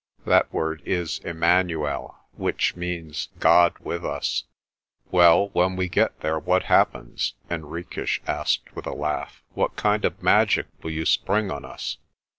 That word is 'Immanuel,' which means ( God with us.' "Well, when we get there, what happens?' Henriques asked with a laugh. "What kind of magic will you spring on us?"